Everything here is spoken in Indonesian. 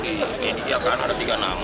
ini ya kan ada tiga nama